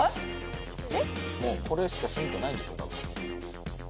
これしかヒントないんでしょたぶん。